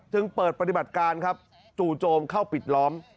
จึงเปิดปฏิบัติการครับจู่โจมเข้าปิดล้อม